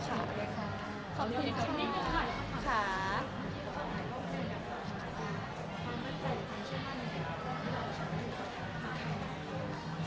ความมั่นใจกับความเชื่อมั่นในพิกภัณฑ์